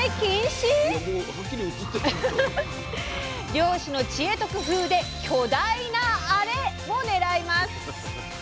漁師の知恵と工夫で巨大な「アレ」を狙います！